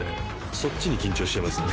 そっちに緊張しちゃいますね。